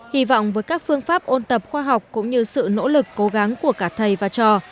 hy vọng với các phương pháp ôn tập khoa học cũng như sự nỗ lực cố gắng của cả thầy và trò